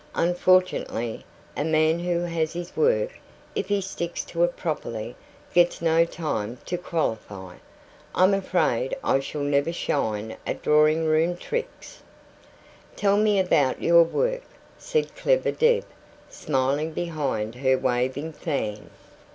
Unfortunately, a man who has his work if he sticks to it properly gets no time to qualify. I'm afraid I shall never shine at drawing room tricks." "Tell me about your work," said clever Deb, smiling behind her waving fan.